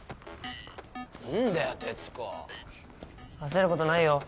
何だよ鉄子焦ることないよ